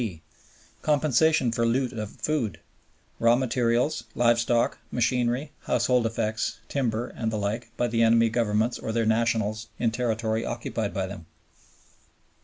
(d) Compensation for loot of food, raw materials, live stock, machinery, household effects, timber, and the like by the enemy Governments or their nationals in territory occupied by them.